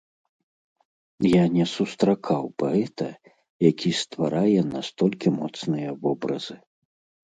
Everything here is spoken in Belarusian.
Я не сустракаў паэта, які стварае настолькі моцныя вобразы.